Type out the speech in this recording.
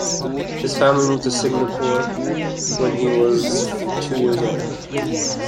His family moved to Singapore when he was two years old.